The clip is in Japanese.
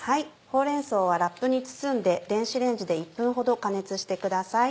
ほうれん草はラップに包んで電子レンジで１分ほど加熱してください。